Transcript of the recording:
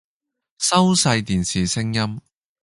收細電視聲音